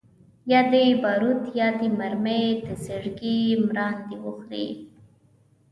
یا دي باروت یا دي مرمۍ د زړګي مراندي وخوري